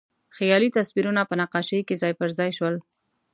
خیالي تصویرونه په نقاشۍ کې ځای پر ځای شول.